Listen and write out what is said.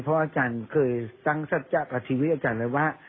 เพราะอาจารย์เคยตั้งสัจจะกับชีวิตอาจารย์เลยว่า